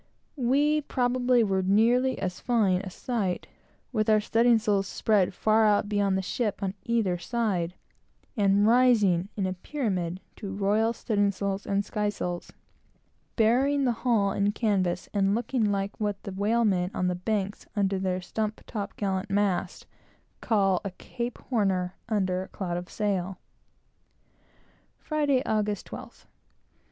We probably were as fine a sight, with our studding sails spread far out beyond the ship on either side, and rising in a pyramid to royal studding sails and sky sails, burying the hull in canvas, and looking like what the whale men on the Banks, under their stump top gallant masts, call "a Cape Horn er under a cloud of sail." Friday, August 12th.